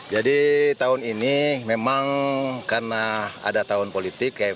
jadi tahun ini memang karena ada tahun politik